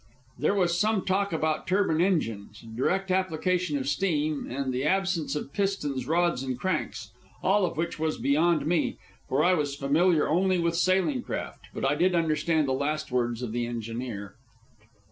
There was some talk about turbine engines, direct application of steam, and the absence of pistons, rods, and cranks, all of which was beyond me, for I was familiar only with sailing craft; but I did understand the last words of the engineer.